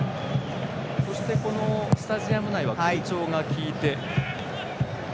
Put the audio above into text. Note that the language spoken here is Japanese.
そしてこのスタジアム内は空調がきいて。